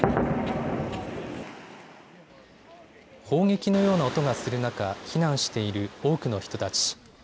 砲撃のような音がする中、避難している多くの人たち。